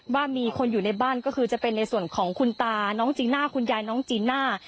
ว่ามีคนอยู่ในบ้านก็คือจะเป็นในส่วนของคุณตาน้องจีน่าคุณยายน้องจีน่า